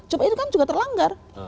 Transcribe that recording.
coba ini kan juga terlanggar